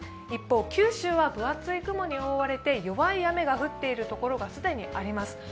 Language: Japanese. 一方、九州は分厚い雲に覆われて弱い雨が降っているところが既にあります。